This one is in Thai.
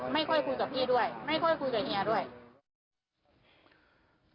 คุยกับพี่ด้วยไม่ค่อยคุยกับเฮียด้วย